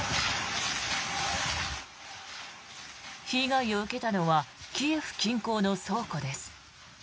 被害を受けたのはキエフ近郊の倉庫です。